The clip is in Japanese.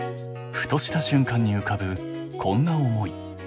ふとした瞬間に浮かぶこんな思い。